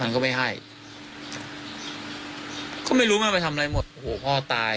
มันก็ไม่ให้เขาไม่รู้มันไปทำอะไรหมดโหพ่อตาย